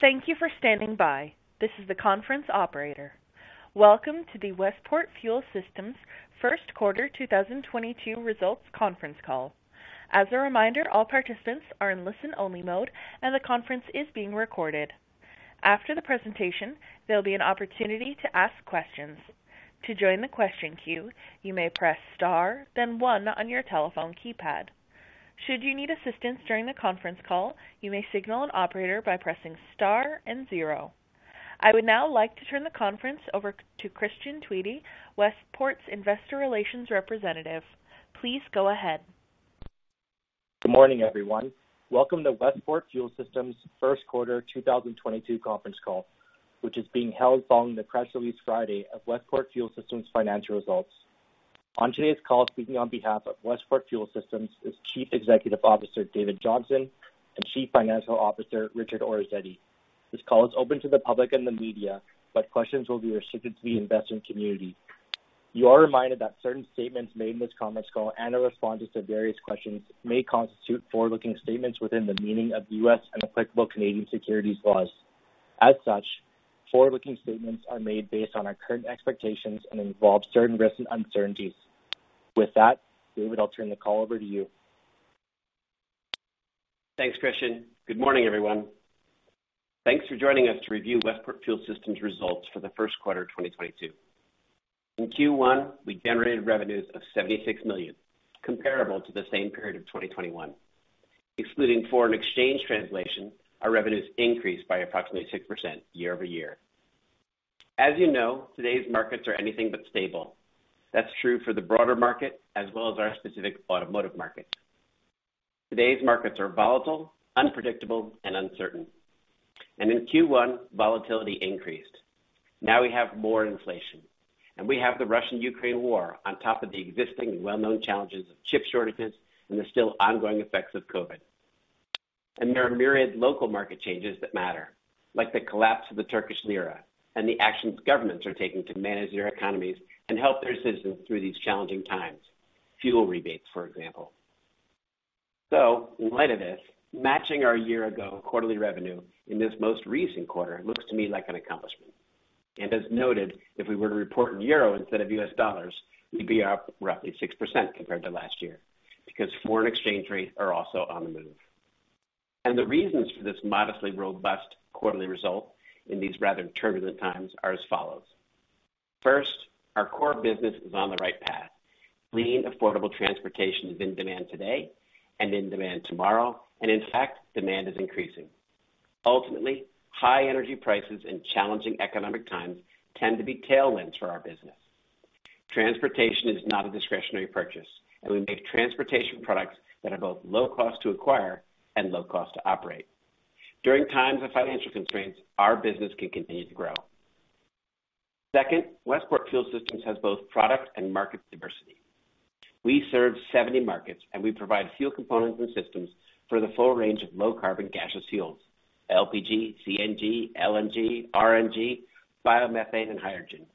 Thank you for standing by. This is the conference operator. Welcome to the Westport Fuel Systems Q1 2022 results conference call. As a reminder, all participants are in listen-only mode, and the conference is being recorded. After the presentation, there'll be an opportunity to ask questions. To join the question queue, you may press star, then one on your telephone keypad. Should you need assistance during the conference call, you may signal an operator by pressing star and zero. I would now like to turn the conference over to Christian Tweedy, Westport's investor relations representative. Please go ahead. Good morning, everyone. Welcome to Westport Fuel Systems Q1 2022 conference call, which is being held following the press release Friday of Westport Fuel Systems financial results. On today's call, speaking on behalf of Westport Fuel Systems is Chief Executive Officer, David Johnson, and Chief Financial Officer, Richard Orazietti. This call is open to the public and the media, but questions will be restricted to the investment community. You are reminded that certain statements made in this conference call and the responses to various questions may constitute forward-looking statements within the meaning of U.S. and applicable Canadian securities laws. As such, forward-looking statements are made based on our current expectations and involve certain risks and uncertainties. With that, David, I'll turn the call over to you. Thanks, Christian. Good morning, everyone. Thanks for joining us to review Westport Fuel Systems results for the Q1 of 2022. In Q1, we generated revenues of $76 million, comparable to the same period of 2021. Excluding foreign exchange translation, our revenues increased by approximately 6% year-over-year. As you know, today's markets are anything but stable. That's true for the broader market as well as our specific automotive market. Today's markets are volatile, unpredictable, and uncertain. In Q1, volatility increased. Now we have more inflation, and we have the Russia-Ukraine war on top of the existing well-known challenges of chip shortages and the still ongoing effects of COVID. There are myriad local market changes that matter, like the collapse of the Turkish lira and the actions governments are taking to manage their economies and help their citizens through these challenging times. Fuel rebates, for example. In light of this, matching our year-ago quarterly revenue in this most recent quarter looks to me like an accomplishment. As noted, if we were to report in euro instead of US dollars, we'd be up roughly 6% compared to last year because foreign exchange rates are also on the move. The reasons for this modestly robust quarterly result in these rather turbulent times are as follows. First, our core business is on the right path. Clean, affordable transportation is in demand today and in demand tomorrow, and in fact, demand is increasing. Ultimately, high energy prices and challenging economic times tend to be tailwinds for our business. Transportation is not a discretionary purchase, and we make transportation products that are both low cost to acquire and low cost to operate. During times of financial constraints, our business can continue to grow. Second, Westport Fuel Systems has both product and market diversity. We serve 70 markets, and we provide fuel components and systems for the full range of low carbon gaseous fuels, LPG, CNG, LNG, RNG, biomethane, and hydrogen.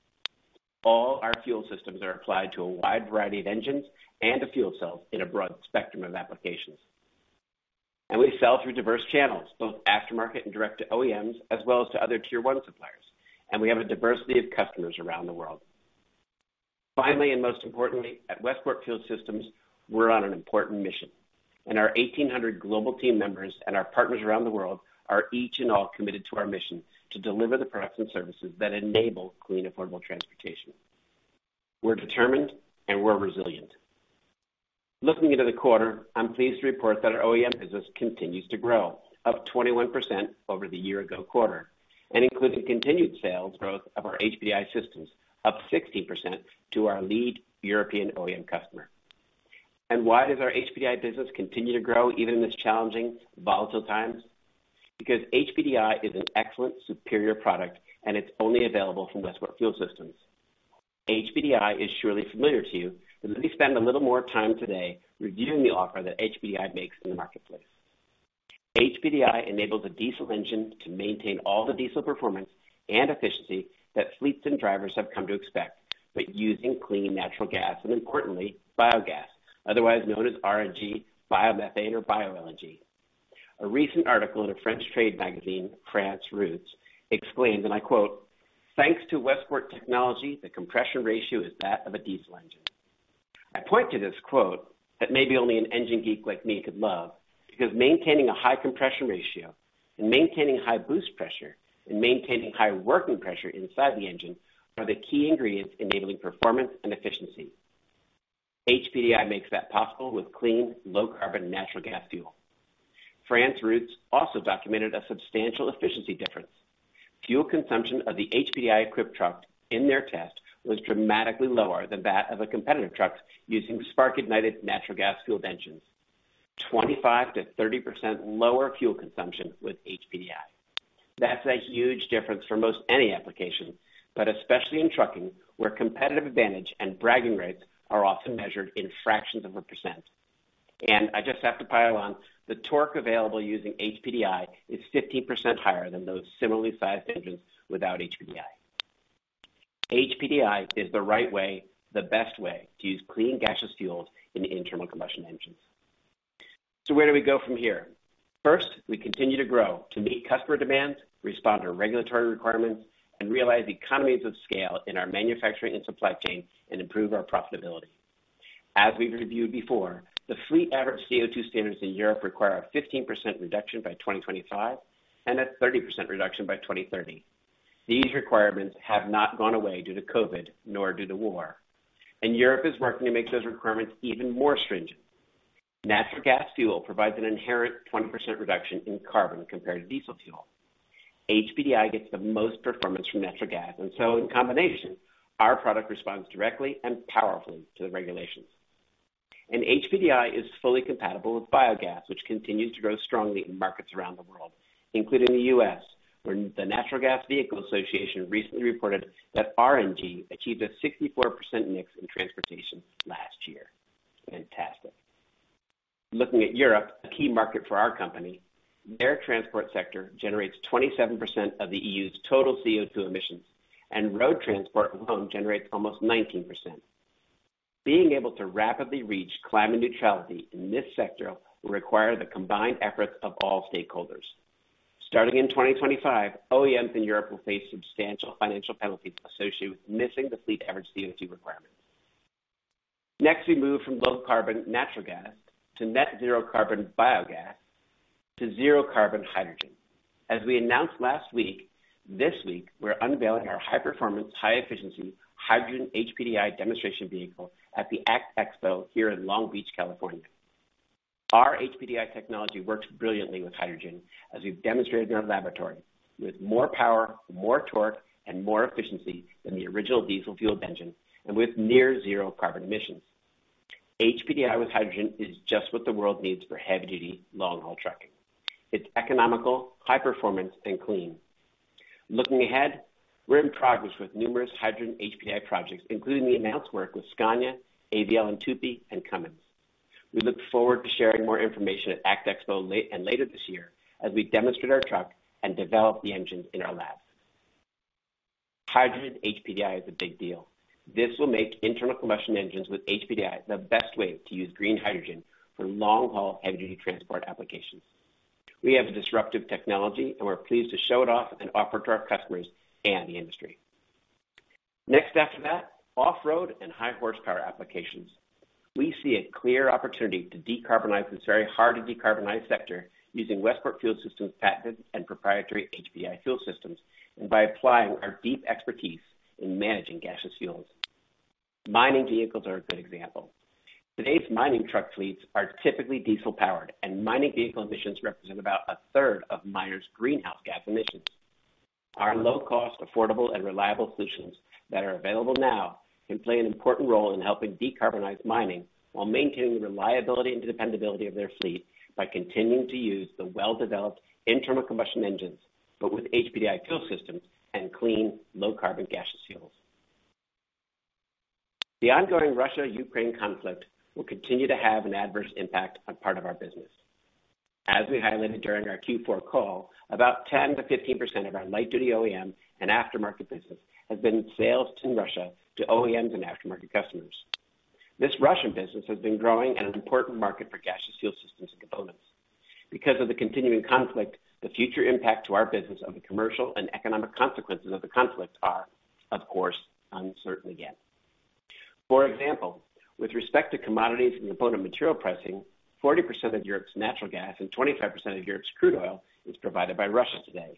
All our fuel systems are applied to a wide variety of engines and to fuel cells in a broad spectrum of applications. We sell through diverse channels, both aftermarket and direct to OEMs, as well as to other tier one suppliers. We have a diversity of customers around the world. Finally, and most importantly, at Westport Fuel Systems, we're on an important mission, and our 1,800 global team members and our partners around the world are each and all committed to our mission to deliver the products and services that enable clean, affordable transportation. We're determined, and we're resilient. Listening into the quarter, I'm pleased to report that our OEM business continues to grow, up 21% over the year-ago quarter, including continued sales growth of our HPDI systems, up 60% to our lead European OEM customer. Why does our HPDI business continue to grow even in this challenging, volatile times? Because HPDI is an excellent, superior product, and it's only available from Westport Fuel Systems. HPDI is surely familiar to you, but let me spend a little more time today reviewing the offer that HPDI makes in the marketplace. HPDI enables a diesel engine to maintain all the diesel performance and efficiency that fleets and drivers have come to expect, but using clean natural gas and importantly, biogas, otherwise known as RNG, biomethane or bioLNG. A recent article in a French trade magazine, France Routes, explained, and I quote, "Thanks to Westport technology, the compression ratio is that of a diesel engine." I point to this quote that maybe only an engine geek like me could love because maintaining a high compression ratio and maintaining high boost pressure and maintaining high working pressure inside the engine are the key ingredients enabling performance and efficiency. HPDI makes that possible with clean, low carbon natural gas fuel. France Routes also documented a substantial efficiency difference. Fuel consumption of the HPDI-equipped truck in their test was dramatically lower than that of a competitive truck using spark-ignited natural gas fueled engines. 25%-30% lower fuel consumption with HPDI. That's a huge difference for most any application, but especially in trucking, where competitive advantage and bragging rights are often measured in fractions of a percent. I just have to pile on, the torque available using HPDI is 15% higher than those similarly sized engines without HPDI. HPDI is the right way, the best way to use clean gaseous fuels in internal combustion engines. Where do we go from here? First, we continue to grow to meet customer demands, respond to regulatory requirements, and realize the economies of scale in our manufacturing and supply chain and improve our profitability. As we've reviewed before, the fleet average CO₂ standards in Europe require a 15% reduction by 2025 and a 30% reduction by 2030. These requirements have not gone away due to COVID nor due to war, and Europe is working to make those requirements even more stringent. Natural gas fuel provides an inherent 20% reduction in carbon compared to diesel fuel. HPDI gets the most performance from natural gas, and so in combination, our product responds directly and powerfully to the regulations. HPDI is fully compatible with biogas, which continues to grow strongly in markets around the world, including the U.S., where the NGVAmerica recently reported that RNG achieved a 64% mix in transportation last year. Fantastic. Looking at Europe, a key market for our company, their transport sector generates 27% of the E.U's total CO₂ emissions, and road transport alone generates almost 19%. Being able to rapidly reach climate neutrality in this sector will require the combined efforts of all stakeholders. Starting in 2025, OEMs in Europe will face substantial financial penalties associated with missing the fleet average CO₂ requirements. Next, we move from low carbon natural gas to net zero carbon biogas to zero carbon hydrogen. As we announced last week, this week we're unveiling our high performance, high efficiency hydrogen HPDI demonstration vehicle at the ACT Expo here in Long Beach, California. Our HPDI technology works brilliantly with hydrogen as we've demonstrated in our laboratory with more power, more torque, and more efficiency than the original diesel fuel engine, and with near zero carbon emissions. HPDI with hydrogen is just what the world needs for heavy duty, long-haul trucking. It's economical, high performance, and clean. Looking ahead, we're in progress with numerous hydrogen HPDI projects, including the announced work with Scania, AVL and TUPY, and Cummins. We look forward to sharing more information at ACT Expo and later this year as we demonstrate our truck and develop the engines in our lab. Hydrogen HPDI is a big deal. This will make internal combustion engines with HPDI the best way to use green hydrogen for long-haul heavy-duty transport applications. We have a disruptive technology, and we're pleased to show it off and offer to our customers and the industry. Next after that, off-road and high horsepower applications. We see a clear opportunity to decarbonize this very hard to decarbonize sector using Westport Fuel Systems' patented and proprietary HPDI fuel systems and by applying our deep expertise in managing gaseous fuels. Mining vehicles are a good example. Today's mining truck fleets are typically diesel powered, and mining vehicle emissions represent about a third of miners' greenhouse gas emissions. Our low cost, affordable, and reliable solutions that are available now can play an important role in helping decarbonize mining while maintaining the reliability and dependability of their fleet by continuing to use the well-developed internal combustion engines, but with HPDI fuel systems and clean, low carbon gaseous fuels. The ongoing Russia-Ukraine conflict will continue to have an adverse impact on part of our business. As we highlighted during our Q4 call, about 10%-15% of our light duty OEM and aftermarket business has been sales to Russia to OEMs and aftermarket customers. This Russian business has been growing and an important market for gaseous fuel systems and components. Because of the continuing conflict, the future impact to our business of the commercial and economic consequences of the conflict are, of course, uncertain again. For example, with respect to commodities and component material pricing, 40% of Europe's natural gas and 25% of Europe's crude oil is provided by Russia today.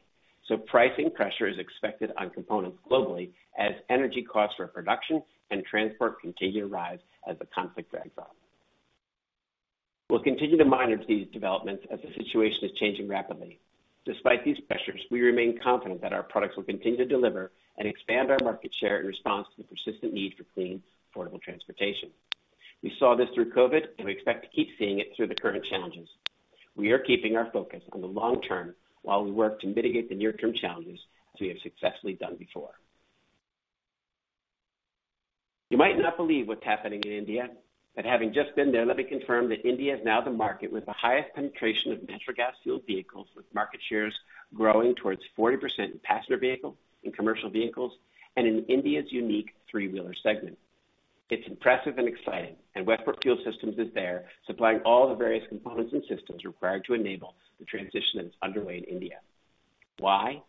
Pricing pressure is expected on components globally as energy costs for production and transport continue to rise as the conflict drags on. We'll continue to monitor these developments as the situation is changing rapidly. Despite these pressures, we remain confident that our products will continue to deliver and expand our market share in response to the persistent need for clean, affordable transportation. We saw this through COVID, and we expect to keep seeing it through the current challenges. We are keeping our focus on the long term while we work to mitigate the near term challenges as we have successfully done before. You might not believe what's happening in India, but having just been there, let me confirm that India is now the market with the highest penetration of natural gas fueled vehicles with market shares growing towards 40% in passenger vehicle, in commercial vehicles, and in India's unique three-wheeler segment. It's impressive and exciting, and Westport Fuel Systems is there supplying all the various components and systems required to enable the transition that is underway in India. Why?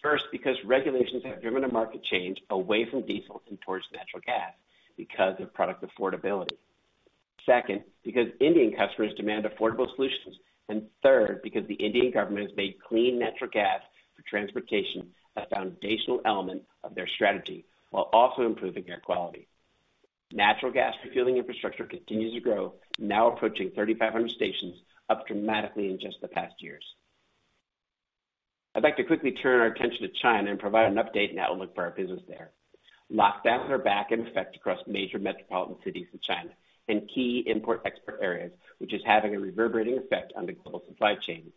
First, because regulations have driven a market change away from diesel and towards natural gas because of product affordability. Second, because Indian customers demand affordable solutions. Third, because the Indian government has made clean natural gas for transportation a foundational element of their strategy while also improving air quality. Natural gas refueling infrastructure continues to grow, now approaching 3,500 stations, up dramatically in just the past years. I'd like to quickly turn our attention to China and provide an update and outlook for our business there. Lockdowns are back in effect across major metropolitan cities of China and key import/export areas, which is having a reverberating effect on the global supply chain.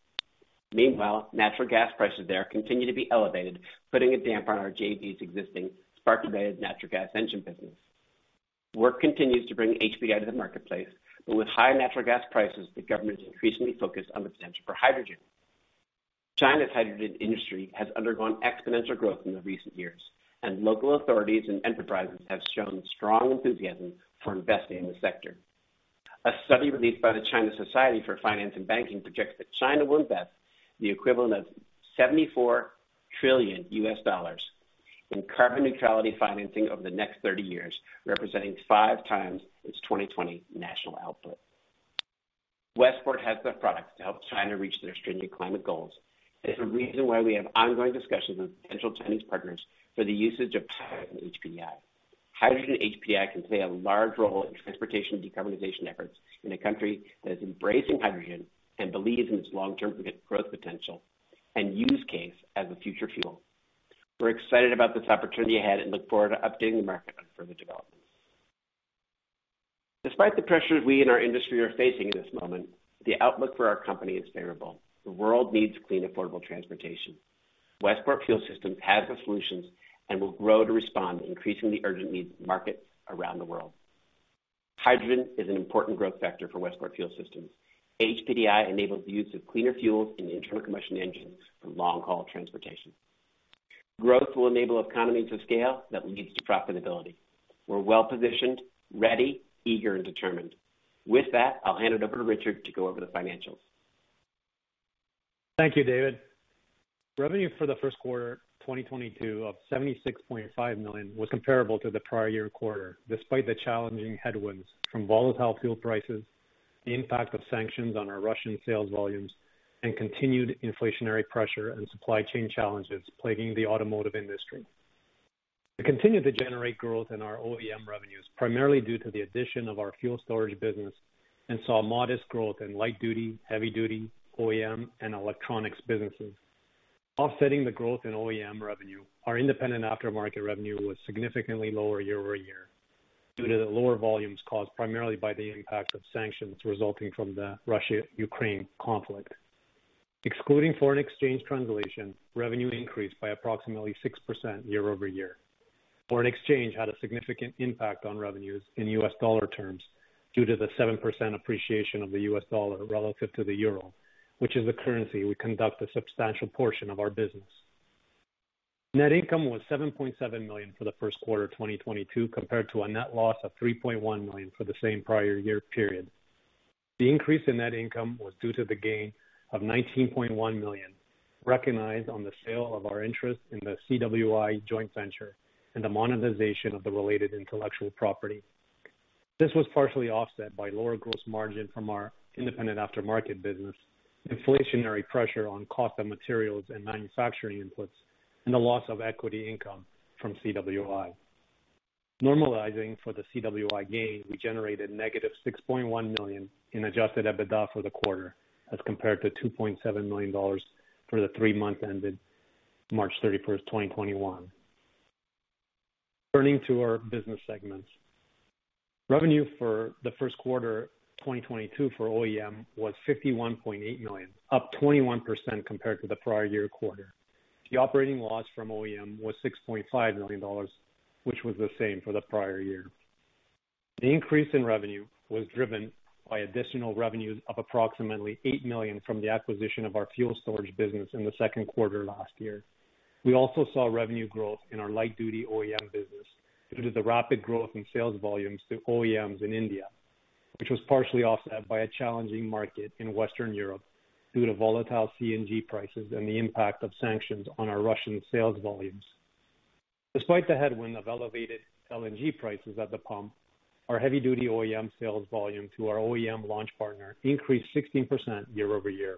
Meanwhile, natural gas prices there continue to be elevated, putting a damper on our JV's existing spark-ignited natural gas engine business. Work continues to bring HPDI to the marketplace, but with high natural gas prices, the government is increasingly focused on the potential for hydrogen. China's hydrogen industry has undergone exponential growth in the recent years, and local authorities and enterprises have shown strong enthusiasm for investing in the sector. A study released by the China Society for Finance and Banking projects that China will invest the equivalent of $74 trillion in carbon neutrality financing over the next 30 years, representing 5x its 2020 national output. Westport has the products to help China reach their stringent climate goals. It's a reason why we have ongoing discussions with potential Chinese partners for the usage of hydrogen HPDI. Hydrogen HPDI can play a large role in transportation decarbonization efforts in a country that is embracing hydrogen and believes in its long-term growth potential and use case as a future fuel. We're excited about this opportunity ahead and look forward to updating the market on further developments. Despite the pressures we in our industry are facing in this moment, the outlook for our company is favorable. The world needs clean, affordable transportation. Westport Fuel Systems has the solutions and will grow to respond to increasingly urgent needs of markets around the world. Hydrogen is an important growth factor for Westport Fuel Systems. HPDI enables the use of cleaner fuels in internal combustion engines for long-haul transportation. Growth will enable economies of scale that leads to profitability. We're well positioned, ready, eager and determined. With that, I'll hand it over to Richard to go over the financials. Thank you, David. Revenue for the Q1 2022 of $76.5 million was comparable to the prior year quarter, despite the challenging headwinds from volatile fuel prices, the impact of sanctions on our Russian sales volumes, and continued inflationary pressure and supply chain challenges plaguing the automotive industry. We continue to generate growth in our OEM revenues, primarily due to the addition of our fuel storage business and saw modest growth in light-duty, heavy-duty, OEM and electronics businesses. Offsetting the growth in OEM revenue, our independent aftermarket revenue was significantly lower year-over-year due to the lower volumes caused primarily by the impact of sanctions resulting from the Russia-Ukraine conflict. Excluding foreign exchange translation, revenue increased by approximately 6% year-over-year. Foreign exchange had a significant impact on revenues in US dollar terms due to the 7% appreciation of the US dollar relative to the euro, which is the currency we conduct a substantial portion of our business. Net income was $7.7 million for the Q1 2022, compared to a net loss of $3.1 million for the same prior year period. The increase in net income was due to the gain of $19.1 million recognized on the sale of our interest in the CWI joint venture and the monetization of the related intellectual property. This was partially offset by lower gross margin from our independent aftermarket business, inflationary pressure on cost of materials and manufacturing inputs, and the loss of equity income from CWI. Normalizing for the CWI gain, we generated negative $6.1 million in adjusted EBITDA for the quarter as compared to $2.7 million for the three months ended March 31, 2021. Turning to our business segments. Revenue for the Q1 2022 for OEM was $51.8 million, up 21% compared to the prior-year quarter. The operating loss from OEM was $6.5 million, which was the same for the prior year. The increase in revenue was driven by additional revenues of approximately $8 million from the acquisition of our fuel storage business in the Q2 last year. We also saw revenue growth in our light-duty OEM business due to the rapid growth in sales volumes to OEMs in India, which was partially offset by a challenging market in Western Europe due to volatile CNG prices and the impact of sanctions on our Russian sales volumes. Despite the headwind of elevated LNG prices at the pump, our heavy-duty OEM sales volume to our OEM launch partner increased 16% year-over-year.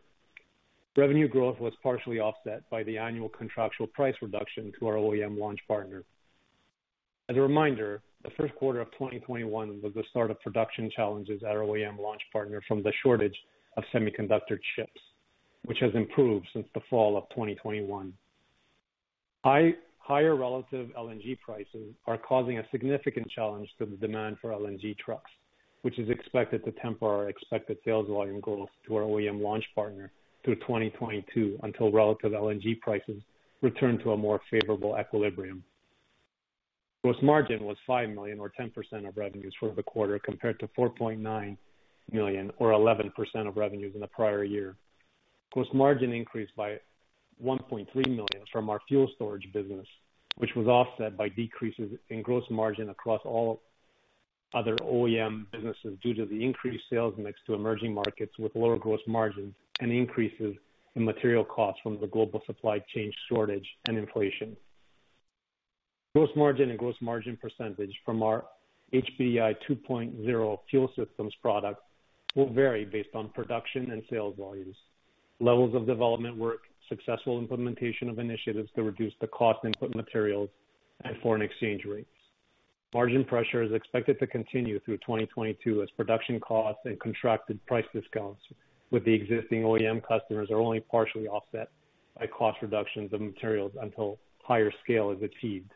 Revenue growth was partially offset by the annual contractual price reduction to our OEM launch partner. As a reminder, the Q1 of 2021 was the start of production challenges at our OEM launch partner from the shortage of semiconductor chips, which has improved since the fall of 2021. Higher relative LNG prices are causing a significant challenge to the demand for LNG trucks, which is expected to temper our expected sales volume growth to our OEM launch partner through 2022 until relative LNG prices return to a more favorable equilibrium. Gross margin was $5 million or 10% of revenues for the quarter, compared to $4.9 million or 11% of revenues in the prior year. Gross margin increased by $1.3 million from our fuel storage business, which was offset by decreases in gross margin across all other OEM businesses due to the increased sales mix to emerging markets with lower gross margins and increases in material costs from the global supply chain shortage and inflation. Gross margin and gross margin percentage from our HPDI 2.0 fuel systems product will vary based on production and sales volumes, levels of development work, successful implementation of initiatives that reduce the cost input materials and foreign exchange rates. Margin pressure is expected to continue through 2022 as production costs and contracted price discounts with the existing OEM customers are only partially offset by cost reductions of materials until higher scale is achieved.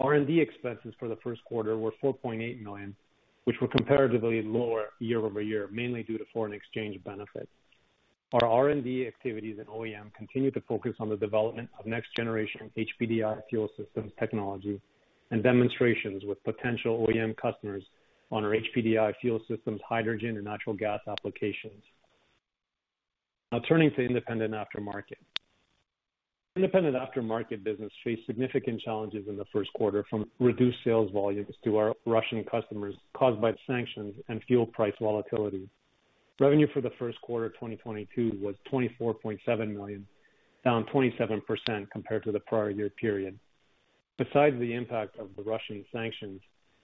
R&D expenses for the Q1 were $4.8 million, which were comparatively lower year-over-year, mainly due to foreign exchange benefits. Our R&D activities in OEM continue to focus on the development of next generation HPDI fuel systems technology and demonstrations with potential OEM customers on our HPDI fuel systems, hydrogen and natural gas applications. Now turning to independent aftermarket. Independent aftermarket business faced significant challenges in the Q1 from reduced sales volumes to our Russian customers caused by sanctions and fuel price volatility. Revenue for the Q1 of 2022 was $24.7 million, down 27% compared to the prior year period. Besides the impact of the Russian sanctions,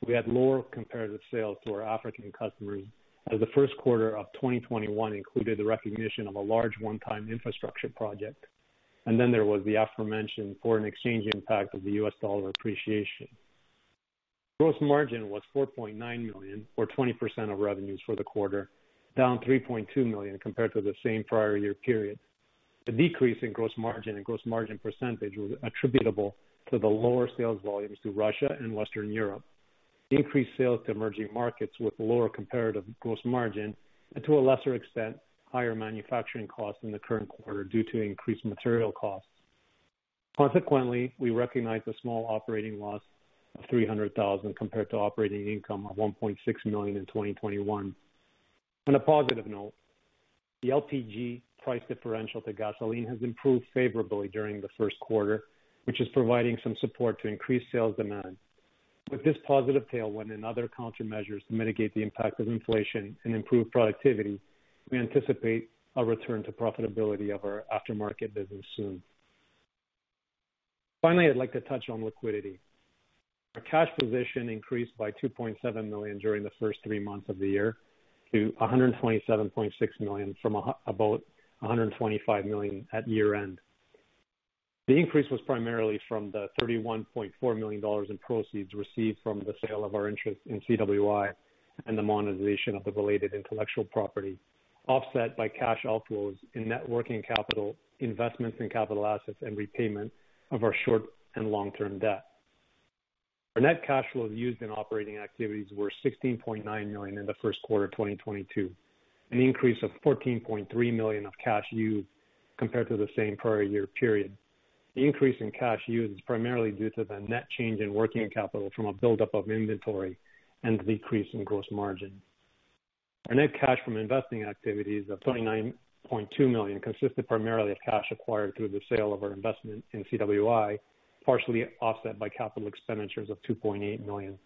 we had lower comparative sales to our African customers as the Q1 of 2021 included the recognition of a large one-time infrastructure project. There was the aforementioned foreign exchange impact of the US dollar appreciation. Gross margin was $4.9 million or 20% of revenues for the quarter, down $3.2 million compared to the same prior year period. The decrease in gross margin and gross margin percentage was attributable to the lower sales volumes to Russia and Western Europe. Increased sales to emerging markets with lower comparative gross margin and to a lesser extent, higher manufacturing costs in the current quarter due to increased material costs. Consequently, we recognized a small operating loss of $300,000 compared to operating income of $1.6 million in 2021. On a positive note, the LPG price differential to gasoline has improved favorably during the Q1, which is providing some support to increased sales demand. With this positive tailwind and other countermeasures to mitigate the impact of inflation and improve productivity, we anticipate a return to profitability of our aftermarket business soon. Finally, I'd like to touch on liquidity. Our cash position increased by $2.7 million during the first three months of the year to $127.6 million from about $125 million at year-end. The increase was primarily from the $31.4 million in proceeds received from the sale of our interest in CWI and the monetization of the related intellectual property, offset by cash outflows in net working capital investments in capital assets and repayment of our short and long-term debt. Our net cash flows used in operating activities were $16.9 million in the Q1 of 2022, an increase of $14.3 million of cash used compared to the same prior year period. The increase in cash used is primarily due to the net change in working capital from a buildup of inventory and decrease in gross margin. Our net cash from investing activities of $29.2 million consisted primarily of cash acquired through the sale of our investment in CWI, partially offset by capital expenditures of $2.8 million.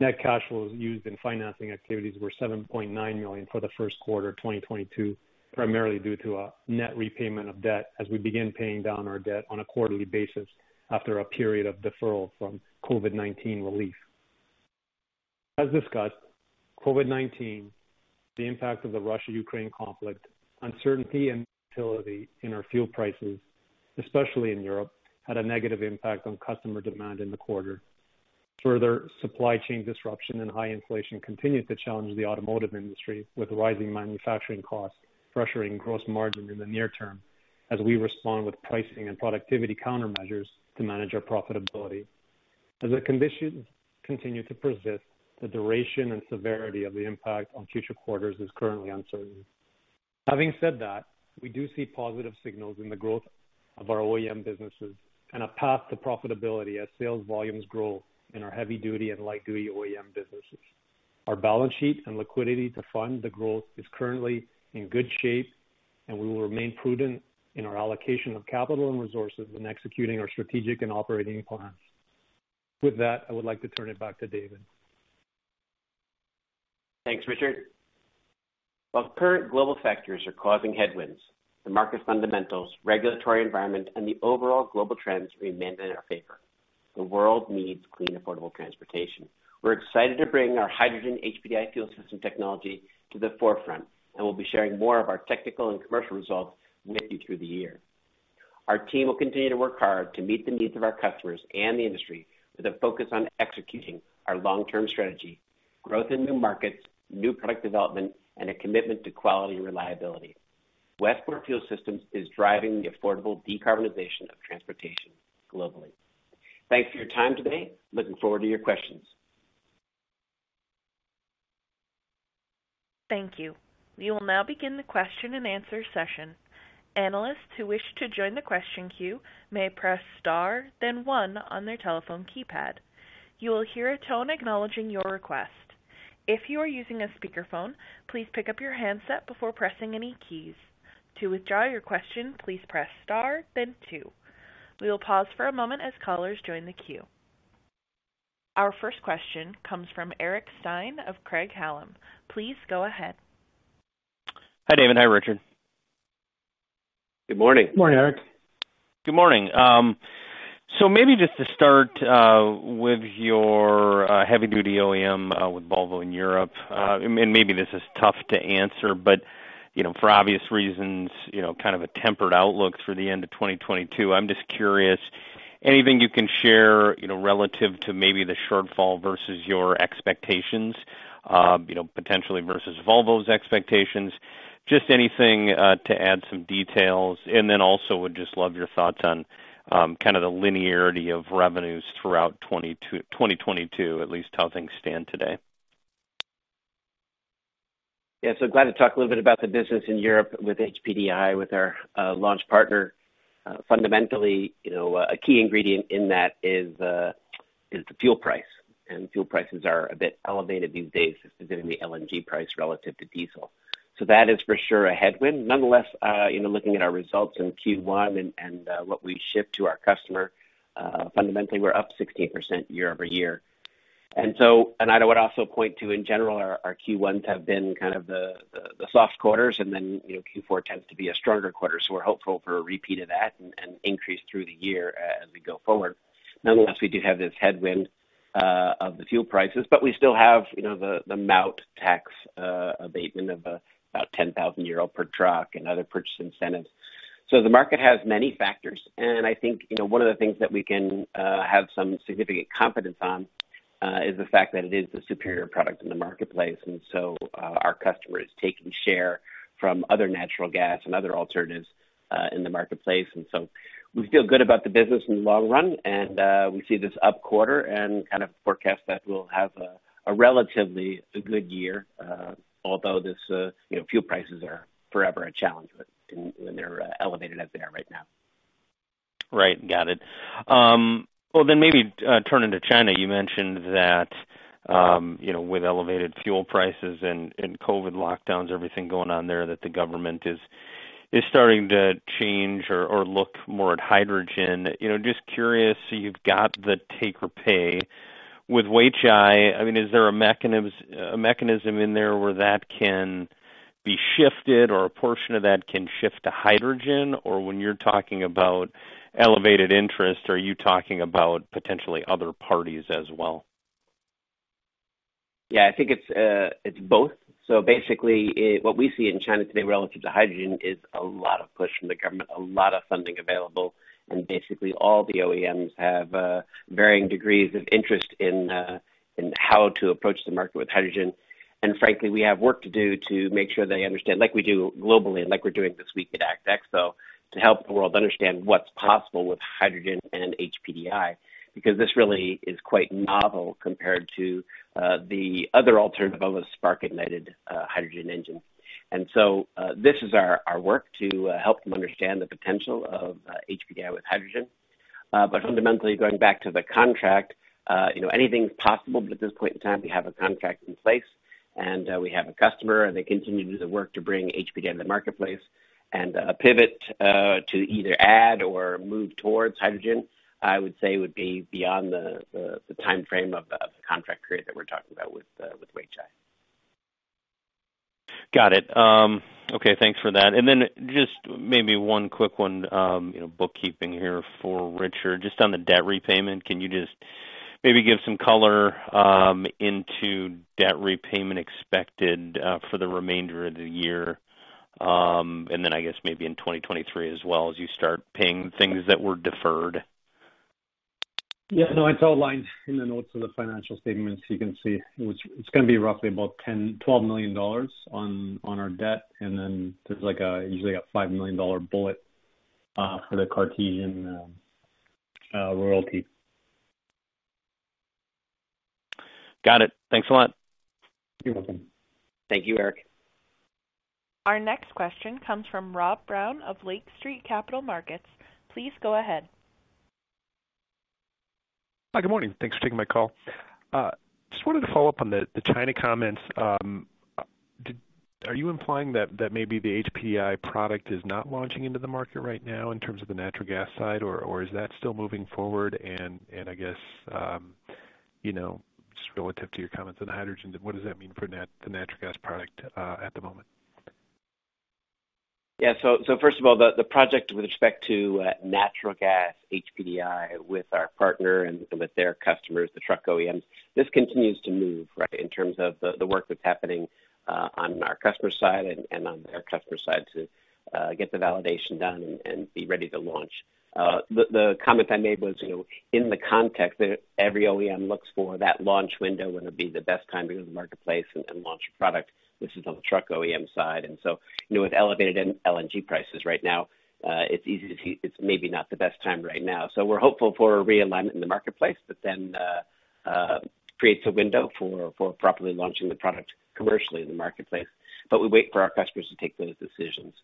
Net cash flows used in financing activities were $7.9 million for the Q1 of 2022, primarily due to a net repayment of debt as we begin paying down our debt on a quarterly basis after a period of deferral from COVID-19 relief. As discussed, COVID-19, the impact of the Russia-Ukraine conflict, uncertainty and volatility in our fuel prices, especially in Europe, had a negative impact on customer demand in the quarter. Further supply chain disruption and high inflation continued to challenge the automotive industry, with rising manufacturing costs pressuring gross margin in the near term as we respond with pricing and productivity countermeasures to manage our profitability. As the conditions continue to persist, the duration and severity of the impact on future quarters is currently uncertain. Having said that, we do see positive signals in the growth of our OEM businesses and a path to profitability as sales volumes grow in our heavy-duty and light-duty OEM businesses. Our balance sheet and liquidity to fund the growth is currently in good shape, and we will remain prudent in our allocation of capital and resources in executing our strategic and operating plans. With that, I would like to turn it back to David. Thanks, Richard. While current global factors are causing headwinds, the market fundamentals, regulatory environment, and the overall global trends remain in our favor. The world needs clean, affordable transportation. We're excited to bring our hydrogen HPDI fuel system technology to the forefront, and we'll be sharing more of our technical and commercial results with you through the year. Our team will continue to work hard to meet the needs of our customers and the industry with a focus on executing our long-term strategy, growth in new markets, new product development, and a commitment to quality and reliability. Westport Fuel Systems is driving the affordable decarbonization of transportation globally. Thanks for your time today. Looking forward to your questions. Thank you. We will now begin the question and answer session. Analysts who wish to join the question queue may press star then one on their telephone keypad. You will hear a tone acknowledging your request. If you are using a speakerphone, please pick up your handset before pressing any keys. To withdraw your question, please press star then two. We will pause for a moment as callers join the queue. Our first question comes from Eric Stine of Craig-Hallum. Please go ahead. Hi, David. Hi, Richard. Good morning. Morning, Eric. Good morning. Maybe just to start, with your heavy duty OEM, with Volvo in Europe, and maybe this is tough to answer, but you know, for obvious reasons, you know, kind of a tempered outlook through the end of 2022. I'm just curious, anything you can share, you know, relative to maybe the shortfall versus your expectations, you know, potentially versus Volvo's expectations? Just anything, to add some details. Would just love your thoughts on, kind of the linearity of revenues throughout 2022, at least how things stand today. Yeah. Glad to talk a little bit about the business in Europe with HPDI, with our launch partner. Fundamentally, you know, a key ingredient in that is the fuel price, and fuel prices are a bit elevated these days, specifically the LNG price relative to diesel. That is for sure a headwind. Nonetheless, you know, looking at our results in Q1 and what we shipped to our customer, fundamentally we're up 16% year-over-year. I would also point to in general our Q1s have been kind of the soft quarters and then, you know, Q4 tends to be a stronger quarter. We're hopeful for a repeat of that and increase through the year as we go forward. Nonetheless, we do have this headwind of the fuel prices, but we still have, you know, the MAUT tax abatement of about 10,000 euro per truck and other purchase incentives. The market has many factors. I think, you know, one of the things that we can have some significant confidence on is the fact that it is the superior product in the marketplace. Our customer is taking share from other natural gas and other alternatives in the marketplace. We feel good about the business in the long run. We see this up quarter and kind of forecast that we'll have a relatively good year although this you know fuel prices are forever a challenge, but when they're elevated as they are right now. Right. Got it. Well, then maybe turning to China, you mentioned that, you know, with elevated fuel prices and COVID lockdowns, everything going on there, that the government is starting to change or look more at hydrogen. You know, just curious, you've got the take or pay. With Weichai, I mean, is there a mechanism in there where that can be shifted or a portion of that can shift to hydrogen? Or when you're talking about elevated interest, are you talking about potentially other parties as well? Yeah, I think it's both. Basically, what we see in China today relative to hydrogen is a lot of push from the government, a lot of funding available. Basically all the OEMs have varying degrees of interest in how to approach the market with hydrogen. Frankly, we have work to do to make sure they understand, like we do globally and like we're doing this week at ACT Expo, to help the world understand what's possible with hydrogen and HPDI, because this really is quite novel compared to the other alternative of a spark ignited hydrogen engine. This is our work to help them understand the potential of HPDI with hydrogen. Fundamentally, going back to the contract, you know, anything's possible, but at this point in time, we have a contract in place and we have a customer, and they continue to do the work to bring HPDI to the marketplace. A pivot to either add or move towards hydrogen, I would say would be beyond the timeframe of the contract period that we're talking about with Weichai. Got it. Okay, thanks for that. Just maybe one quick one, you know, bookkeeping here for Richard. Just on the debt repayment, can you just maybe give some color into debt repayment expected for the remainder of the year, and then I guess maybe in 2023 as well as you start paying things that were deferred? No, it's all outlined in the notes of the financial statements. You can see it's gonna be roughly about $10-$12 million on our debt. There's usually a $5 million bullet for the Cartesian royalty. Got it. Thanks a lot. You're welcome. Thank you, Eric. Our next question comes from Rob Brown of Lake Street Capital Markets. Please go ahead. Hi, good morning. Thanks for taking my call. Just wanted to follow up on the China comments. Are you implying that maybe the HPDI product is not launching into the market right now in terms of the natural gas side, or is that still moving forward? I guess, you know, just relative to your comments on hydrogen, what does that mean for the natural gas product at the moment? Yeah. First of all, the project with respect to natural gas HPDI with our partner and with their customers, the truck OEMs, this continues to move, right? In terms of the work that's happening on our customer side and on their customer side to get the validation done and be ready to launch. The comment I made was, you know, in the context that every OEM looks for that launch window, when it be the best time to go to the marketplace and launch a product. This is on the truck OEM side. You know, with elevated NG LNG prices right now, it's easy to see it's maybe not the best time right now. We're hopeful for a realignment in the marketplace that then creates a window for properly launching the product commercially in the marketplace. We wait for our customers to take those decisions.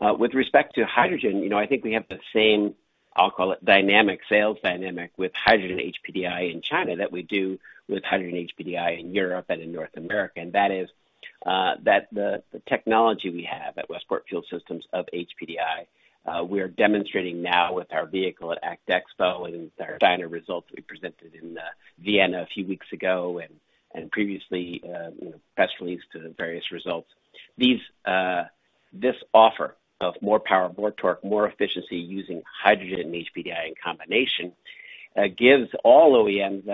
With respect to hydrogen, you know, I think we have the same sales dynamic with hydrogen HPDI in China as we do with hydrogen HPDI in Europe and in North America. That is, the technology we have at Westport Fuel Systems of HPDI, we are demonstrating now with our vehicle at ACT Expo and our China results we presented in Vienna a few weeks ago and previously, you know, press release to the various results. This offer of more power, more torque, more efficiency using hydrogen and HPDI in combination gives all OEMs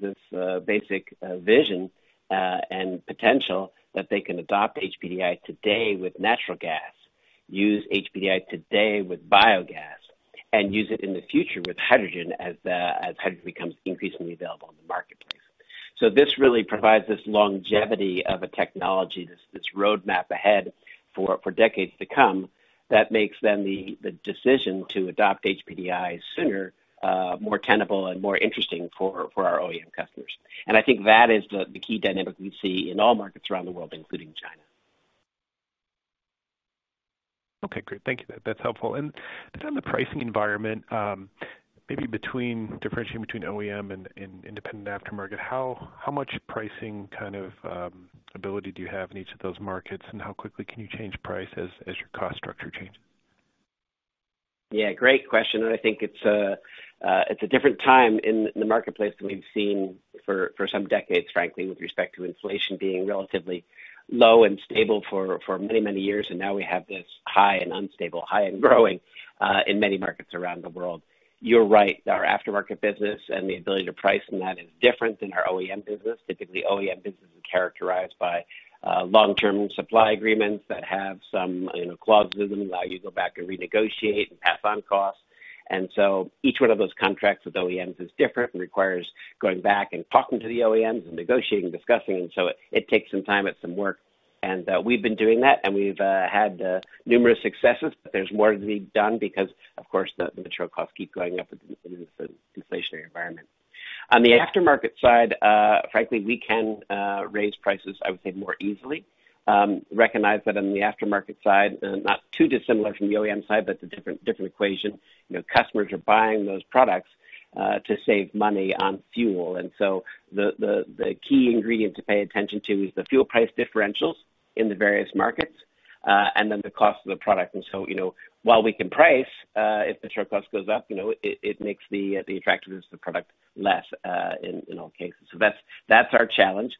this basic vision and potential that they can adopt HPDI today with natural gas, use HPDI today with biogas, and use it in the future with hydrogen as hydrogen becomes increasingly available in the marketplace. This really provides this longevity of a technology, this roadmap ahead for decades to come. That makes the decision to adopt HPDI sooner more tenable and more interesting for our OEM customers. I think that is the key dynamic we see in all markets around the world, including China. Okay, great. Thank you. That's helpful. On the pricing environment, maybe differentiating between OEM and independent aftermarket, how much pricing kind of ability do you have in each of those markets, and how quickly can you change price as your cost structure changes? Yeah, great question, and I think it's a different time in the marketplace than we've seen for some decades, frankly, with respect to inflation being relatively low and stable for many years. Now we have this high and unstable, high and growing in many markets around the world. You're right, our aftermarket business and the ability to price in that is different than our OEM business. Typically, OEM business is characterized by long-term supply agreements that have some, you know, clauses in them allow you to go back and renegotiate and pass on costs. Each one of those contracts with OEMs is different and requires going back and talking to the OEMs and negotiating, discussing. It takes some time and some work. We've been doing that, and we've had numerous successes, but there's more to be done because of course the material costs keep going up in this inflationary environment. On the aftermarket side, frankly, we can raise prices I would say more easily. Recognize that on the aftermarket side, not too dissimilar from the OEM side, but it's a different equation. You know, customers are buying those products to save money on fuel. The key ingredient to pay attention to is the fuel price differentials in the various markets, and then the cost of the product. You know, while we can price, if the surplus goes up, you know, it makes the attractiveness of the product less in all cases. That's our challenge.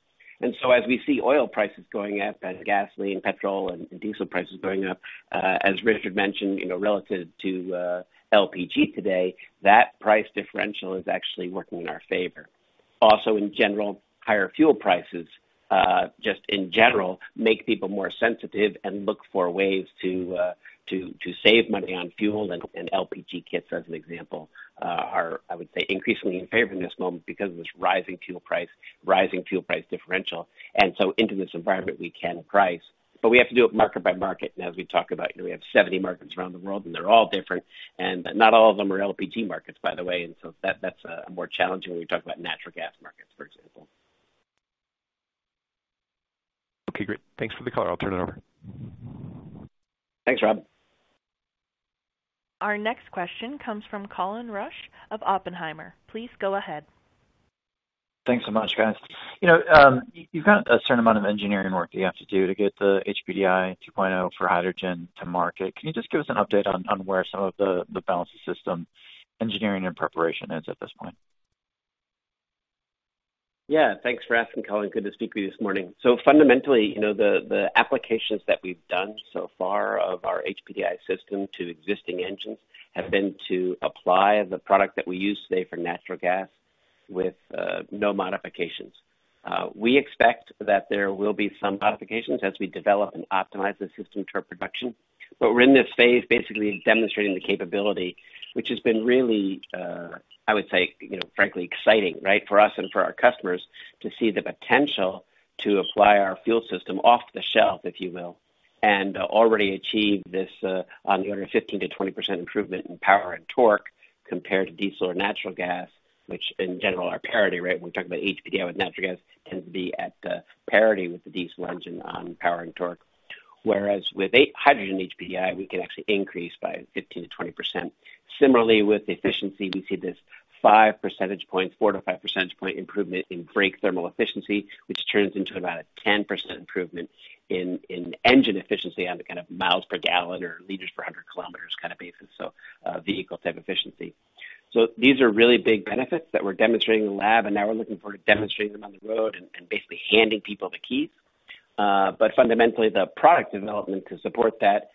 As we see oil prices going up and gasoline, petrol and diesel prices going up, as Richard mentioned, you know, relative to LPG today, that price differential is actually working in our favor. Also, in general, higher fuel prices, just in general make people more sensitive and look for ways to save money on fuel. LPG kits, as an example, are, I would say, increasingly in favor in this moment because of this rising fuel price differential. Into this environment, we can price, but we have to do it market by market. As we talk about, you know, we have 70 markets around the world and they're all different. Not all of them are LPG markets, by the way. That's more challenging when we talk about natural gas markets, for example. Okay, great. Thanks for the color. I'll turn it over. Thanks, Rob. Our next question comes from Colin Rusch of Oppenheimer. Please go ahead. Thanks so much, guys. You know, you've got a certain amount of engineering work that you have to do to get the HPDI 2.0 for hydrogen to market. Can you just give us an update on where some of the balance of system engineering and preparation is at this point? Yeah, thanks for asking, Colin. Good to speak with you this morning. Fundamentally, you know, the applications that we've done so far of our HPDI system to existing engines have been to apply the product that we use today for natural gas with no modifications. We expect that there will be some modifications as we develop and optimize the system for production. We're in this phase basically demonstrating the capability, which has been really, I would say, you know, frankly exciting, right, for us and for our customers to see the potential to apply our fuel system off the shelf, if you will, and already achieve this on the order of 15%-20% improvement in power and torque compared to diesel or natural gas, which in general are parity, right? When we talk about HPDI with natural gas tends to be at the parity with the diesel engine on power and torque. Whereas with a hydrogen HPDI, we can actually increase by 15%-20%. Similarly, with efficiency, we see this 5 percentage point, 4-5 percentage point improvement in brake thermal efficiency, which turns into about a 10% improvement in engine efficiency on the kind of miles per gallon or liters per 100 kilometers kind of basis. Vehicles have efficiency. These are really big benefits that we're demonstrating in lab, and now we're looking forward to demonstrating them on the road and basically handing people the keys. Fundamentally, the product development to support that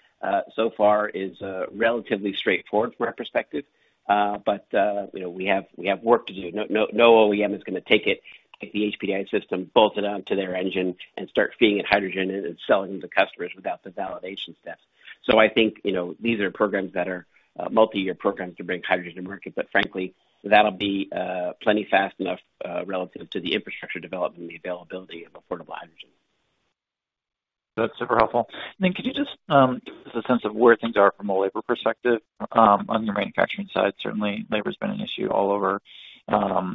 so far is relatively straightforward from our perspective. You know, we have work to do. No, no OEM is gonna take it, take the HPDI system, bolt it onto their engine and start feeding it hydrogen and selling to customers without the validation steps. I think, you know, these are programs that are multi-year programs to bring hydrogen to market. Frankly, that'll be plenty fast enough relative to the infrastructure development and the availability of affordable hydrogen. That's super helpful. Could you just give us a sense of where things are from a labor perspective on the manufacturing side? Certainly labor's been an issue all over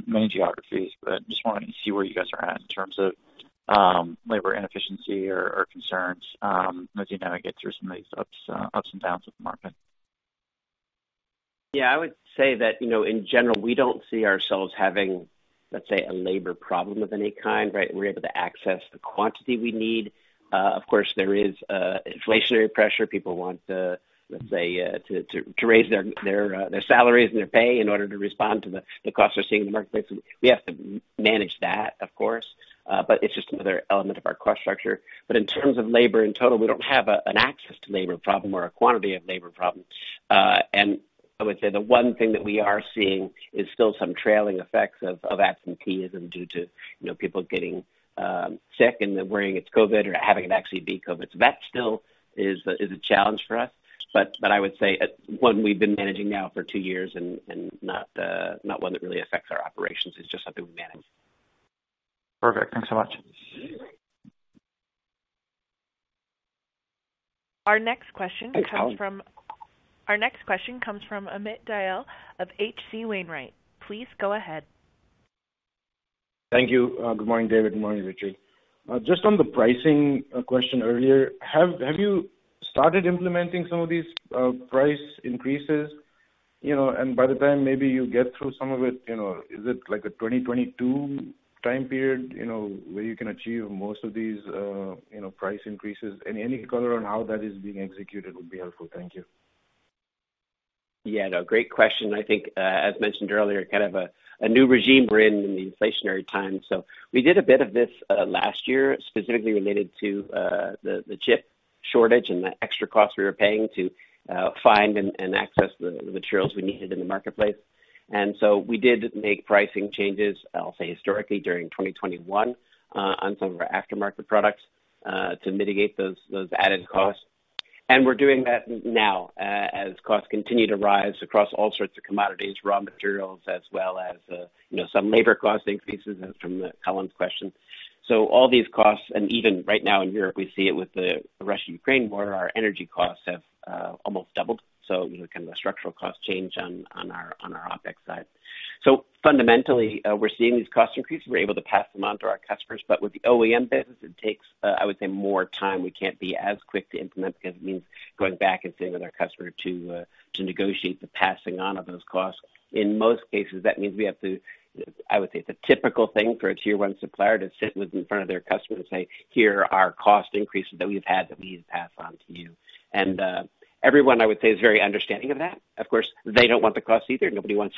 many geographies, but just wanting to see where you guys are at in terms of labor inefficiency or concerns as you now get through some of these ups and downs of the market. Yeah, I would say that, you know, in general, we don't see ourselves having, let's say, a labor problem of any kind, right? We're able to access the quantity we need. Of course, there is inflationary pressure. People want to, let's say, to raise their salaries and their pay in order to respond to the costs they're seeing in the marketplace. We have to manage that, of course. But it's just another element of our cost structure. But in terms of labor in total, we don't have an access to labor problem or a quantity of labor problem. I would say the one thing that we are seeing is still some trailing effects of absenteeism due to, you know, people getting sick and then worrying it's COVID or having it actually be COVID. That still is a challenge for us. I would say one we've been managing now for two years and not one that really affects our operations. It's just something we manage. Perfect. Thanks so much. Our next question comes from Hey, Colin. Our next question comes from Amit Dayal of HC Wainwright. Please go ahead. Thank you. Good morning, David. Good morning, Richard. Just on the pricing question earlier, have you started implementing some of these price increases, you know? By the time maybe you get through some of it, you know, is it like a 2022 time period, you know, where you can achieve most of these price increases? Any color on how that is being executed would be helpful. Thank you. Yeah, no, great question. I think, as mentioned earlier, kind of a new regime we're in in the inflationary time. We did a bit of this last year, specifically related to the chip shortage and the extra costs we were paying to find and access the materials we needed in the marketplace. We did make pricing changes, I'll say historically during 2021, on some of our aftermarket products to mitigate those added costs. We're doing that now as costs continue to rise across all sorts of commodities, raw materials, as well as you know, some labor cost increases as from Colin's question. All these costs, and even right now in Europe, we see it with the Russia-Ukraine war, our energy costs have almost doubled. You know, kind of a structural cost change on our OpEx side. Fundamentally, we're seeing these cost increases. We're able to pass them on to our customers, but with the OEM business, it takes, I would say more time. We can't be as quick to implement because it means going back and sitting with our customer to negotiate the passing on of those costs. In most cases, that means we have to. I would say it's a typical thing for a tier one supplier to sit down in front of their customer and say, "Here are our cost increases that we've had that we need to pass on to you." Everyone I would say is very understanding of that. Of course, they don't want the cost either. Nobody wants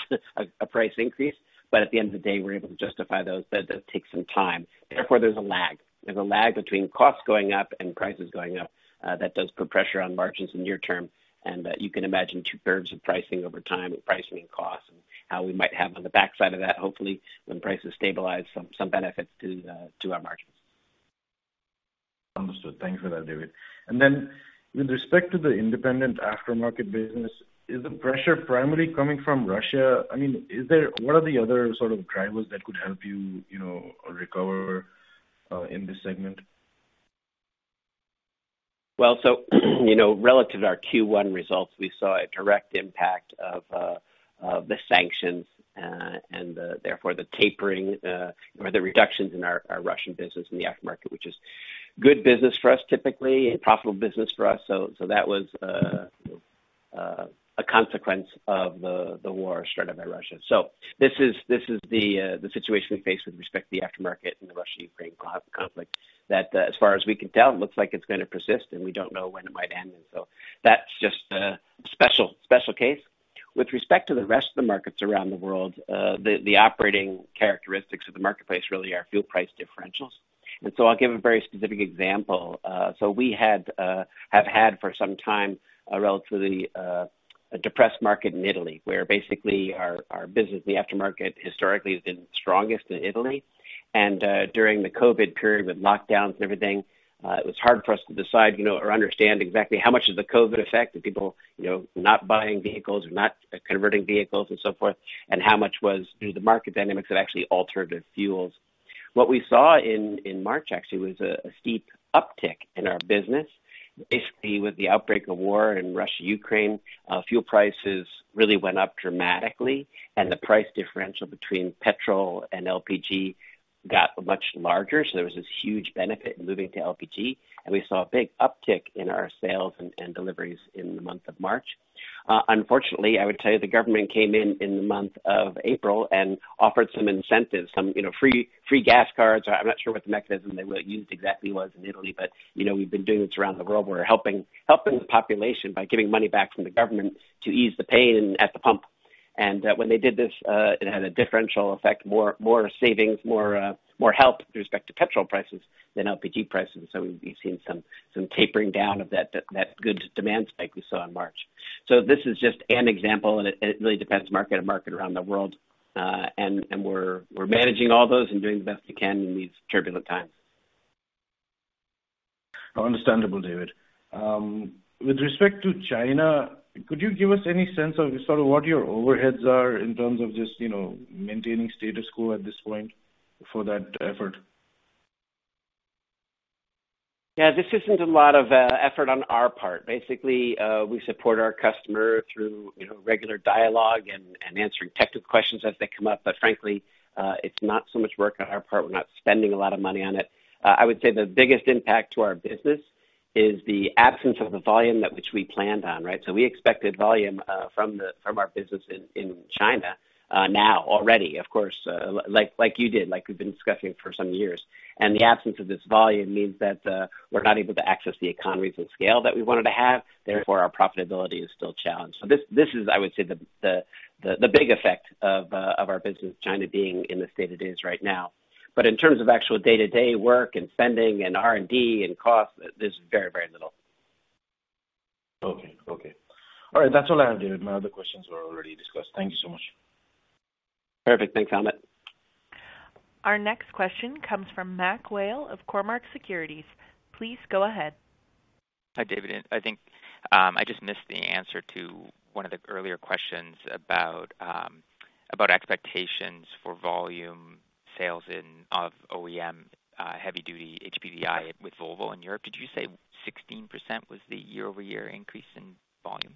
a price increase. At the end of the day, we're able to justify those, but that takes some time. Therefore, there's a lag. There's a lag between costs going up and prices going up, that does put pressure on margins in near term, and, you can imagine two-thirds of pricing over time with pricing costs and how we might have on the backside of that, hopefully when prices stabilize some benefit to our margins. Understood. Thanks for that, David. With respect to the independent aftermarket business, is the pressure primarily coming from Russia? I mean, what are the other sort of drivers that could help you know, recover in this segment? You know, relative to our Q1 results, we saw a direct impact of the sanctions and therefore the tapering or the reductions in our Russian business in the aftermarket, which is good business for us, typically, a profitable business for us. That was a consequence of the war started by Russia. This is the situation we face with respect to the aftermarket and the Russia-Ukraine conflict, that as far as we can tell, it looks like it's gonna persist, and we don't know when it might end. That's just a special case. With respect to the rest of the markets around the world, the operating characteristics of the marketplace really are fuel price differentials. I'll give a very specific example. We have had for some time a relatively a depressed market in Italy, where basically our business in the aftermarket historically has been strongest in Italy. During the COVID period with lockdowns and everything, it was hard for us to decide, you know, or understand exactly how much is the COVID effect of people, you know, not buying vehicles or not converting vehicles and so forth, and how much was due to the market dynamics that actually altered the fuels. What we saw in March actually was a steep uptick in our business. Basically, with the outbreak of war in Russia-Ukraine, fuel prices really went up dramatically and the price differential between petrol and LPG got much larger. There was this huge benefit in moving to LPG, and we saw a big uptick in our sales and deliveries in the month of March. Unfortunately, I would tell you the government came in in the month of April and offered some incentives, some, you know, free gas cards. I'm not sure what the mechanism they will use exactly was in Italy, but, you know, we've been doing this around the world. We're helping the population by giving money back from the government to ease the pain at the pump. When they did this, it had a differential effect, more savings, more help with respect to petrol prices than LPG prices. We've been seeing some tapering down of that good demand spike we saw in March. This is just an example, and it really depends market to market around the world. We're managing all those and doing the best we can in these turbulent times. Oh, understandable, David. With respect to China, could you give us any sense of sort of what your overheads are in terms of just, you know, maintaining status quo at this point for that effort? Yeah, this isn't a lot of effort on our part. Basically, we support our customer through, you know, regular dialogue and answering technical questions as they come up. Frankly, it's not so much work on our part. We're not spending a lot of money on it. I would say the biggest impact to our business is the absence of the volume that we planned on, right? We expected volume from our business in China now already, of course, like you did, like we've been discussing for some years. The absence of this volume means that we're not able to access the economies of scale that we wanted to have, therefore, our profitability is still challenged. This is, I would say, the big effect of our business, China being in the state it is right now. In terms of actual day-to-day work and spending and R&D and costs, there's very, very little. Okay. All right. That's all I have, David. My other questions were already discussed. Thank you so much. Perfect. Thanks, Amit. Our next question comes from MacMurray Whale of Cormark Securities. Please go ahead. Hi, David. I think I just missed the answer to one of the earlier questions about expectations for volume sales of OEM heavy-duty HPDI with Volvo in Europe. Did you say 16% was the year-over-year increase in volume?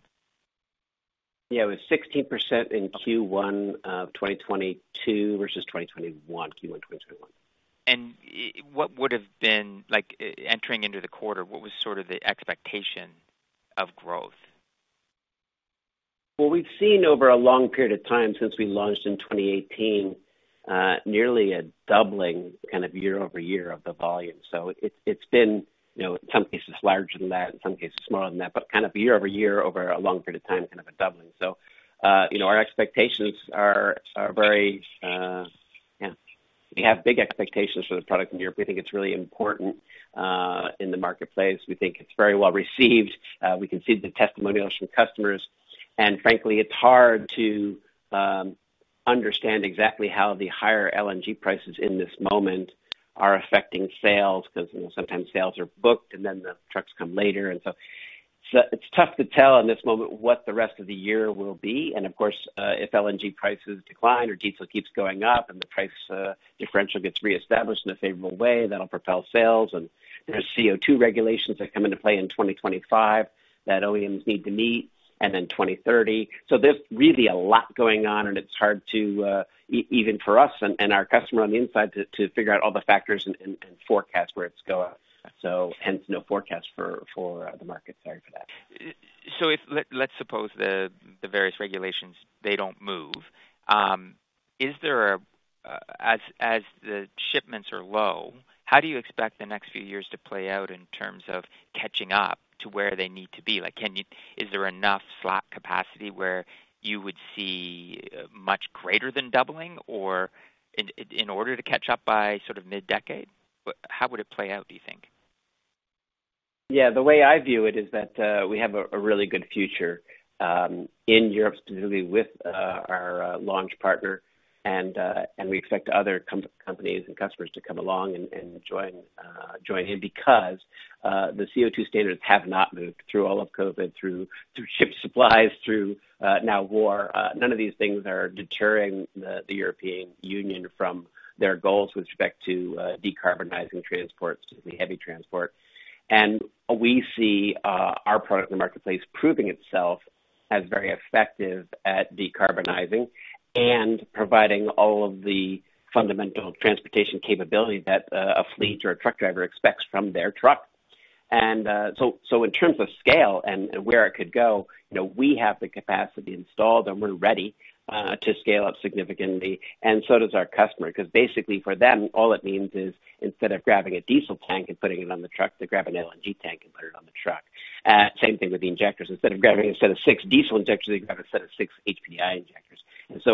Yeah, it was 16% in Q1 of 2022 versus 2021, Q1 2021. What would've been like, entering into the quarter, what was sort of the expectation of growth? We've seen over a long period of time since we launched in 2018, nearly a doubling kind of year over year of the volume. It's been, you know, in some cases larger than that, in some cases smaller than that, but kind of year over year over a long period of time, kind of a doubling. You know, our expectations are very, we have big expectations for the product in Europe. We think it's really important in the marketplace. We think it's very well received. We can see the testimonials from customers. Frankly, it's hard to understand exactly how the higher LNG prices in this moment are affecting sales 'cause, you know, sometimes sales are booked, and then the trucks come later. It's tough to tell in this moment what the rest of the year will be. Of course, if LNG prices decline or diesel keeps going up and the price differential gets reestablished in a favorable way, that'll propel sales. There's CO₂ regulations that come into play in 2025 that OEMs need to meet, and then 2030. There's really a lot going on, and it's hard to even for us and our customer on the inside to figure out all the factors and forecast where it's going. Hence no forecast for the market. Sorry for that. Let's suppose the various regulations they don't move. As the shipments are low, how do you expect the next few years to play out in terms of catching up to where they need to be? Like, is there enough slot capacity where you would see much greater than doubling or in order to catch up by sort of mid-decade? How would it play out, do you think? Yeah. The way I view it is that we have a really good future in Europe, specifically with our launch partner, and we expect other companies and customers to come along and join in because the CO₂ standards have not moved through all of COVID, through supply chain, through the war. None of these things are deterring the European Union from their goals with respect to decarbonizing transport, specifically heavy transport. We see our product in the marketplace proving itself as very effective at decarbonizing and providing all of the fundamental transportation capability that a fleet or a truck driver expects from their truck. In terms of scale and where it could go, you know, we have the capacity installed, and we're ready to scale up significantly, and so does our customer. 'Cause basically for them, all it means is instead of grabbing a diesel tank and putting it on the truck, they grab an LNG tank and put it on the truck. Same thing with the injectors. Instead of grabbing a set of six diesel injectors, they can grab a set of six HPDI injectors.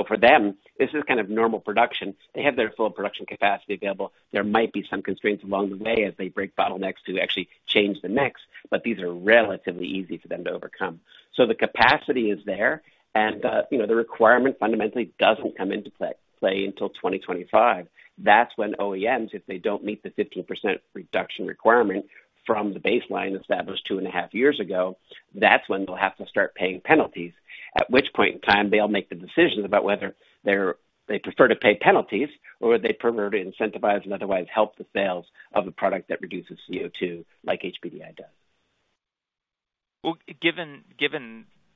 For them, this is kind of normal production. They have their full production capacity available. There might be some constraints along the way as they break bottlenecks to actually change the mix, but these are relatively easy for them to overcome. The capacity is there, and, you know, the requirement fundamentally doesn't come into play until 2025. That's when OEMs, if they don't meet the 15% reduction requirement from the baseline established two and a half years ago, that's when they'll have to start paying penalties, at which point in time they'll make the decision about whether they prefer to pay penalties or would they prefer to incentivize and otherwise help the sales of a product that reduces CO₂ like HPDI does. Well, given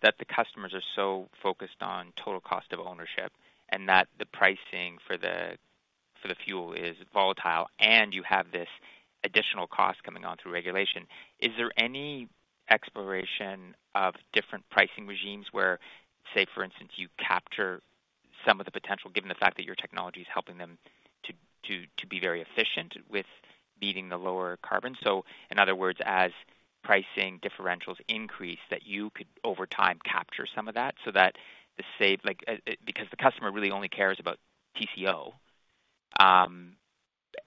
that the customers are so focused on total cost of ownership and that the pricing for the fuel is volatile, and you have this additional cost coming on through regulation, is there any exploration of different pricing regimes where, say, for instance, you capture some of the potential, given the fact that your technology is helping them to be very efficient with meeting the lower carbon? So in other words, as pricing differentials increase, that you could, over time, capture some of that, like, because the customer really only cares about TCO,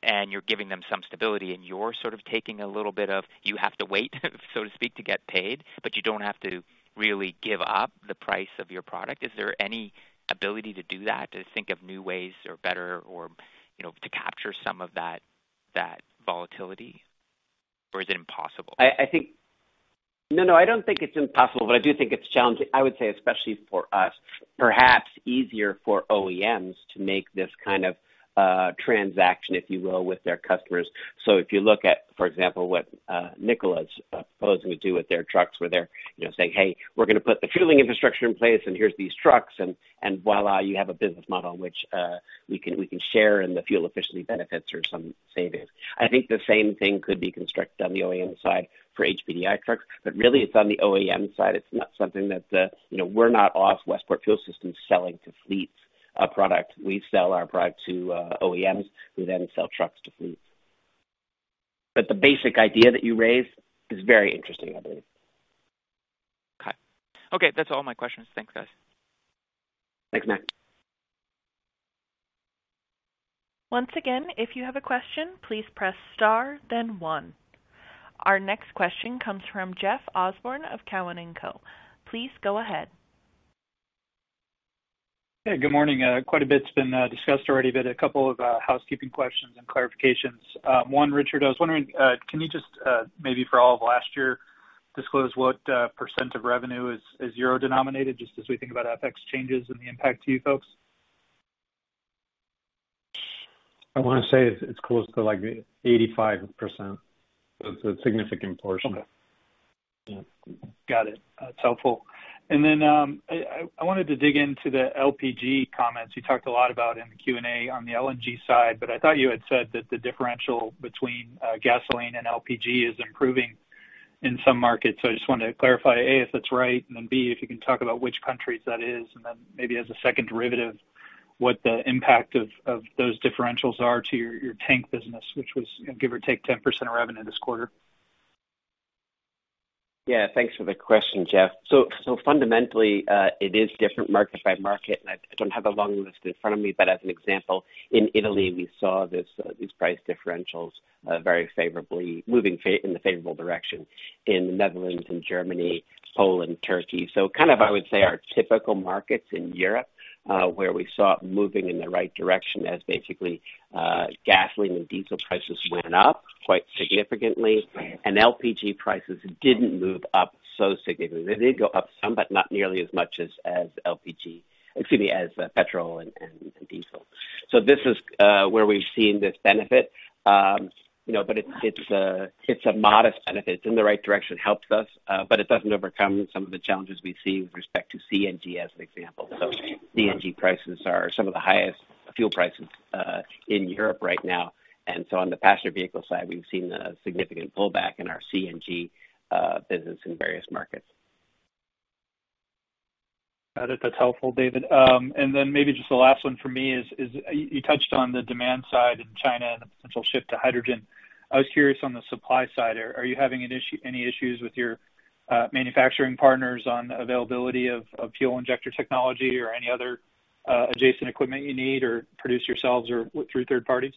and you're giving them some stability, and you're sort of taking a little bit of, you have to wait so to speak, to get paid, but you don't have to really give up the price of your product. Is there any ability to do that, to think of new ways or better or, you know, to capture some of that volatility, or is it impossible? I think. No, I don't think it's impossible, but I do think it's challenging, I would say especially for us, perhaps easier for OEMs to make this kind of transaction, if you will, with their customers. If you look at, for example, what Nikola's proposing to do with their trucks, where they're, you know, saying, "Hey, we're gonna put the fueling infrastructure in place, and here's these trucks, and voila, you have a business model in which we can share in the fuel efficiency benefits or some savings." I think the same thing could be constructed on the OEM side for HPDI trucks, but really it's on the OEM side. It's not something that, you know, we're not us, Westport Fuel Systems, selling to fleets product. We sell our product to OEMs who then sell trucks to fleets. The basic idea that you raised is very interesting, I believe. Okay, that's all my questions. Thanks, guys. Thanks, Matt. Once again, if you have a question, please press star then one. Our next question comes from Jeff Osborne of Cowen & Co. Please go ahead. Hey, good morning. Quite a bit's been discussed already, but a couple of housekeeping questions and clarifications. One, Richard, I was wondering, can you just maybe for all of last year What % of revenue is euro-denominated, just as we think about FX changes and the impact to you folks? I wanna say it's close to, like, 85%. It's a significant portion. Okay. Got it. That's helpful. I wanted to dig into the LPG comments. You talked a lot about in the Q&A on the LNG side, but I thought you had said that the differential between gasoline and LPG is improving in some markets. I just wanted to clarify, A, if that's right, and then, B, if you can talk about which countries that is, and then maybe as a second derivative, what the impact of those differentials are to your tank business, which was, you know, give or take 10% of revenue this quarter. Yeah. Thanks for the question, Jeff. Fundamentally, it is different market by market, and I don't have a long list in front of me, but as an example, in Italy, we saw this, these price differentials very favorably moving in the favorable direction. In the Netherlands and Germany, Poland, Turkey. Kind of, I would say our typical markets in Europe, where we saw it moving in the right direction as basically gasoline and diesel prices went up quite significantly, and LPG prices didn't move up so significantly. They did go up some, but not nearly as much as petrol and diesel. This is where we've seen this benefit. You know, it's a modest benefit. It's in the right direction. It helps us, but it doesn't overcome some of the challenges we see with respect to CNG as an example. CNG prices are some of the highest fuel prices in Europe right now. On the passenger vehicle side, we've seen a significant pullback in our CNG business in various markets. Got it. That's helpful, David. Maybe just the last one for me is, you touched on the demand side in China and the potential shift to hydrogen. I was curious on the supply side. Are you having any issues with your manufacturing partners on availability of fuel injector technology or any other adjacent equipment you need or produce yourselves or through third parties?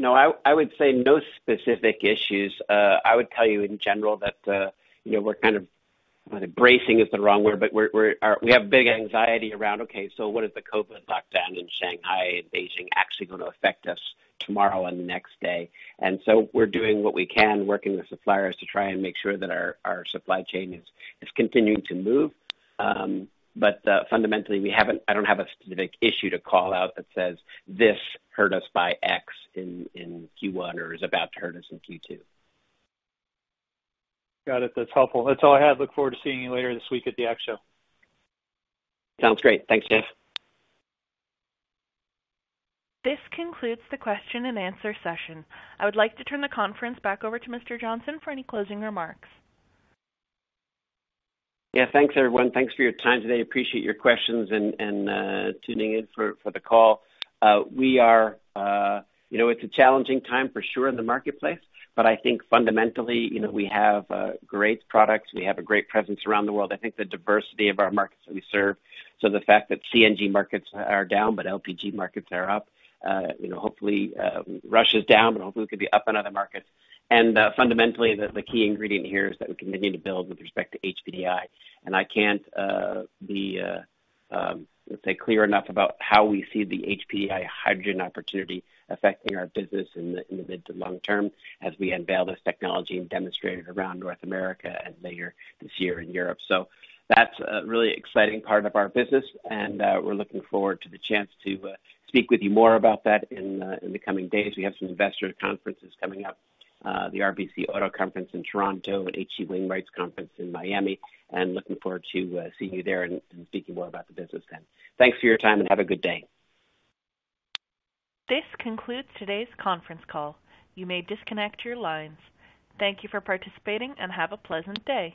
No, I would say no specific issues. I would tell you in general that, you know, we're kind of bracing is the wrong word, but we have big anxiety around what the COVID lockdown in Shanghai and Beijing is actually gonna affect us tomorrow and the next day. We're doing what we can, working with suppliers to try and make sure that our supply chain is continuing to move. Fundamentally, I don't have a specific issue to call out that says, "This hurt us by X in Q1 or is about to hurt us in Q2." Got it. That's helpful. That's all I had. Look forward to seeing you later this week at the ACT Show. Sounds great. Thanks, Jeff. This concludes the question and answer session. I would like to turn the conference back over to Mr. Johnson for any closing remarks. Yeah. Thanks, everyone. Thanks for your time today. Appreciate your questions and tuning in for the call. You know, it's a challenging time for sure in the marketplace, but I think fundamentally, you know, we have great products. We have a great presence around the world. I think the diversity of our markets that we serve. The fact that CNG markets are down, but LPG markets are up, you know, hopefully, Russia's down, but hopefully could be up in other markets. Fundamentally, the key ingredient here is that we continue to build with respect to HPDI. I can't say clearly enough about how we see the HPDI hydrogen opportunity affecting our business in the mid to long term as we unveil this technology and demonstrate it around North America and later this year in Europe. That's a really exciting part of our business, and we're looking forward to the chance to speak with you more about that in the coming days. We have some investor conferences coming up, the RBC Auto Conference in Toronto and HC Wainwright's conference in Miami, and looking forward to seeing you there and speaking more about the business then. Thanks for your time, and have a good day. This concludes today's conference call. You may disconnect your lines. Thank you for participating, and have a pleasant day.